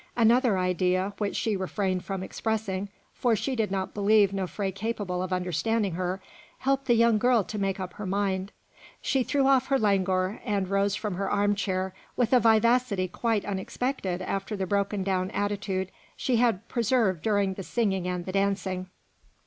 Another idea, which she refrained from expressing, for she did not believe Nofré capable of understanding her, helped the young girl to make up her mind. She threw off her languor, and rose from her armchair with a vivacity quite unexpected after the broken down attitude she had preserved during the singing and the dancing.